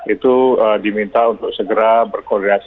itu diminta untuk segera beri informasi kepada wni